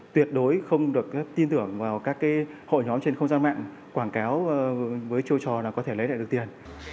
tuyệt đối không được tin tưởng vào các hội nhóm trên không gian mạng quảng cáo với châu trò là có thể lấy lại được tiền